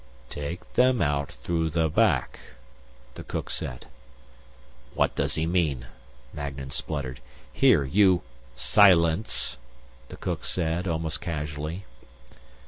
"Take them out through the back," the cook said. "What does he mean?" Magnan spluttered. "Here, you " "Silence," the cook said, almost casually.